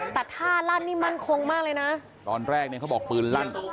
แต่ท่าลั่นนี่มั่นคงมากเลยนะตอนแรกเนี่ยเขาบอกปืนลั่น